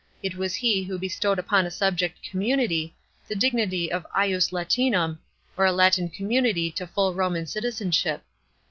It was he who be stowed upon a subject community the dignity of ius Latinum or a Latin community to full Roman citizenship.